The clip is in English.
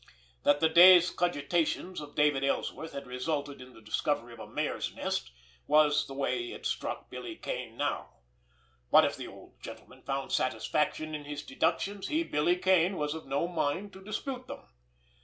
That the day's cogitations of David Ellsworth had resulted in the discovery of a mare's nest was the way it struck Billy Kane now; but if the old gentleman found satisfaction in his deductions, he, Billy Kane, was of no mind to dispute them.